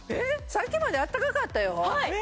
さっきまで温かかったよ